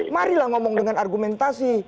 marilah ngomong dengan argumentasi